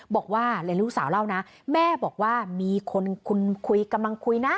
บอกว่าเรียนลูกสาวเล่านะแม่บอกว่ามีคนคุณคุยกำลังคุยนะ